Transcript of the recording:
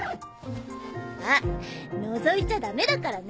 あっのぞいちゃダメだからね。